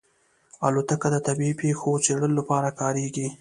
الوتکه د طبیعي پېښو څېړلو لپاره کارېږي.